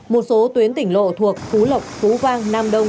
một số tuyến tỉnh lộ thuộc phú lộc phú vang nam đông